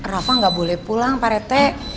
rafa gak boleh pulang parete